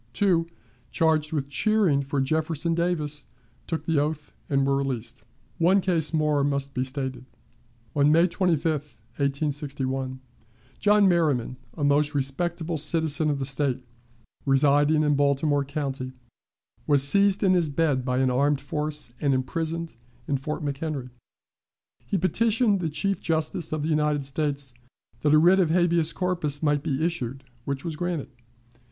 Two, charged with cheering for Jefferson Davis, took the oath and were released. One case more most be stated. On May 25, 1861, John Merryman, a most respectable citizen of the State, residing in Baltimore County, was seized in his bed by an armed force, and imprisoned in Fort McHenry. He petitioned the Chief Justice of the United States that a writ of habeas corpus might be issued, which was granted.